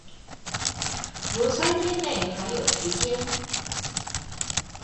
如三天内還有時間